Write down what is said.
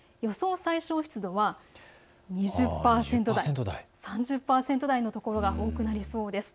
最小湿度は２０％台、３０％台の所が多くなりそうです。